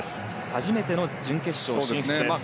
初めての準決勝進出です。